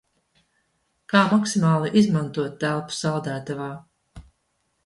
Kā maksimāli izmantot telpu saldētavā?